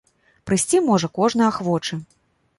Прыйсці можа кожны ахвочы!